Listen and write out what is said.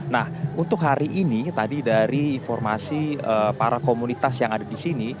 nah untuk hari ini tadi dari informasi para komunitas yang ada di sini